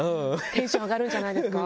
テンション上がるんじゃないですか？